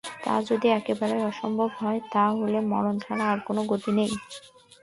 তা যদি একেবারে অসম্ভব হয় তা হলে মরণ ছাড়া আর গতিই নেই।